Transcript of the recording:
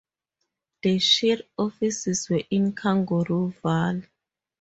The shire offices were in Kangaroo Valley.